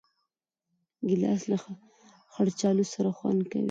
ګیلاس له خړ کچالو سره خوند کوي.